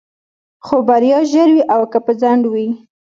خو بريا ژر وي او که په ځنډ وي.